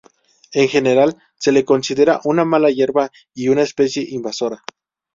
En general se le considera una mala hierba y una especie invasora.